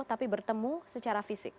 tapi bertemu secara fisik